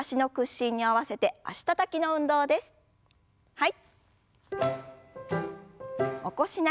はい。